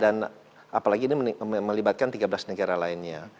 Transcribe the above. dan apalagi ini melibatkan tiga belas negara lainnya